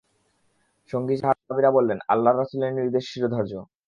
সঙ্গী সাহাবীরা বললেন, আল্লাহর রাসূলের নির্দেশ শিরধার্য।